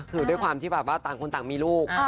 คือด้วยความที่แบบว่าต่างคนต่างมีลูก